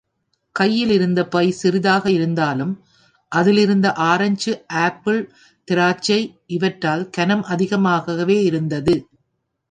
கையிலிருந்த பை சிறியதாக இருந்தாலும் அதிலிருந்த ஆரஞ்சு ஆப்பிள், திராட்சை இவற்றால் கனம் அதிகமாகவே இருந்தது.